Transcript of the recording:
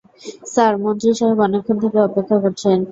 Sir, মন্ত্রী সাহেব অনেকক্ষণ থেকে অপেক্ষা করছেন।